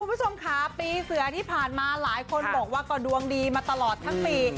คุณผู้ชมค่ะปีเสือที่ผ่านมาหลายคนบอกว่าก็ดวงดีมาตลอดทั้งปี